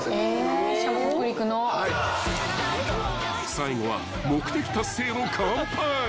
［最後は目的達成の乾杯］